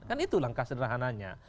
kan itu langkah sederhananya